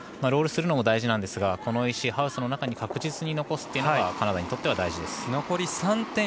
ロールするのも大事ですがこの石をハウスの中に確実に残すというのがカナダにとっては大事です。